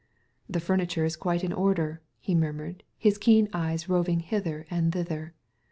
"The furniture is quite in order," he murmured, his keen eyes roving hither and thither.